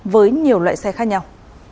với nhiều loại xe khác nhau